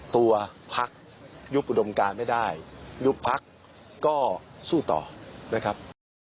ตัวภักดิ์ยุบอุดมการไม่ได้ยุบภักดิ์ก็สู้ต่อนะครับ